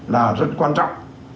là rất quan trọng